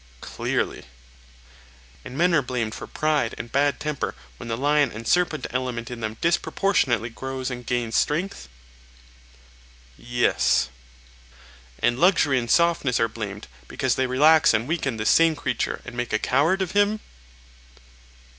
Clearly. And men are blamed for pride and bad temper when the lion and serpent element in them disproportionately grows and gains strength? Yes. And luxury and softness are blamed, because they relax and weaken this same creature, and make a coward of him?